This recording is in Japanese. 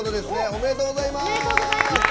おめでとうございます。